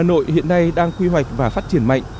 hà nội hiện nay đang quy hoạch và phát triển mạnh